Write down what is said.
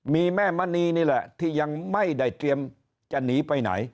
มีแม่มณีนี่แหละที่ยังไม่ได้เตรียมจะหนีไปไหน